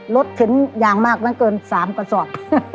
เข็นอย่างมากมันเกิน๓กระสอบ